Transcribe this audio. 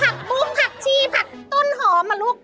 ทำไมหนูไม่ไขผักปุ๊บผักชีผักต้นหอมอ่ะลูก